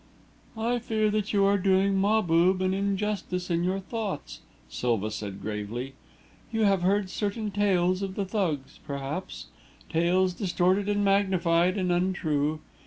"I fear that you are doing Mahbub an injustice in your thoughts," Silva said, gravely. "You have heard certain tales of the Thugs, perhaps tales distorted and magnified and untrue.